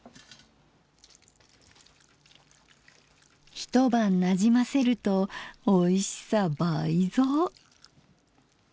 一晩なじませるとおいしさ倍増。